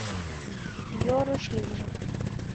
— Йӧрыш лийже!